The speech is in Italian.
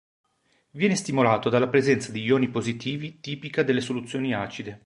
Viene stimolato dalla presenza di ioni positivi tipica delle soluzioni acide.